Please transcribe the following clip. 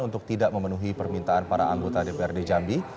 untuk tidak memenuhi permintaan para anggota dprd jambi